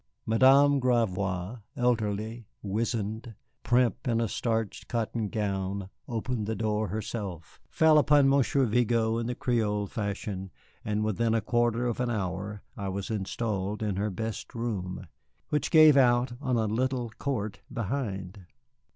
Madame Gravois, elderly, wizened, primp in a starched cotton gown, opened the door herself, fell upon Monsieur Vigo in the Creole fashion; and within a quarter of an hour I was installed in her best room, which gave out on a little court behind.